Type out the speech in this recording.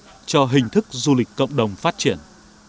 đó là cơ hội cho hình thức du lịch cộng đồng phát triển